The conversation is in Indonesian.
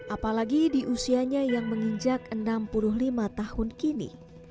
apalagi di usianya yang menginjak enam puluh lima tahun kini